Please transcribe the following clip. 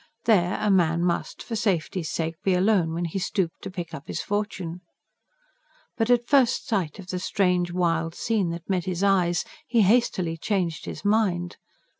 There, a man must, for safety's sake, be alone, when he stooped to pick up his fortune. But at first sight of the strange, wild scene that met his eyes he hastily changed his mind.